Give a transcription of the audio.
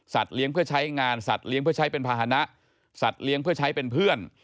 สัตว์เลี้ยงเพื่อใช้เป็นภาษณะสัตว์เลี้ยงเพื่อใช้เป็นเพื่อน